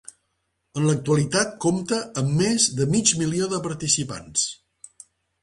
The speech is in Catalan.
En l'actualitat compta amb més de mig milió de participants.